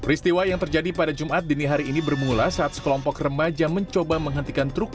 peristiwa yang terjadi pada jumat dini hari ini bermula saat sekelompok remaja mencoba menghentikan truk